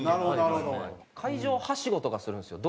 会場をはしごとかするんですよ。